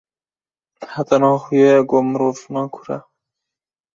heta niha xuya ye ku mirov nankor e